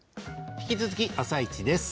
引き続き「あさイチ」です。